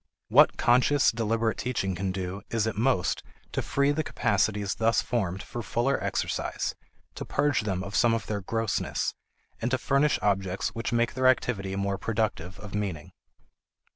What conscious, deliberate teaching can do is at most to free the capacities thus formed for fuller exercise, to purge them of some of their grossness, and to furnish objects which make their activity more productive of meaning.